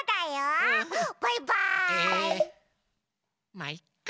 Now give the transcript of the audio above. まいっか。